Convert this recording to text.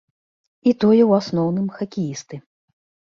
І тое ў асноўным хакеісты.